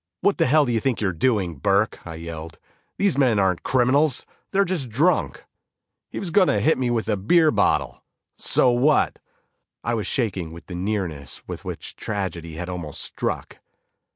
"What the hell do you think you're doing, Burke," I yelled, "These men aren't criminals; they're just drunk!" "He was going to hit me with a beer bottle." "So what!" I was shaking with the nearness with which tragedy had almost struck.